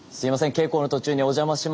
稽古の途中にお邪魔します。